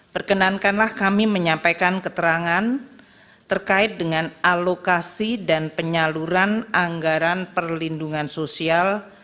perkenankanlah kami menyampaikan keterangan terkait dengan alokasi dan penyaluran anggaran perlindungan sosial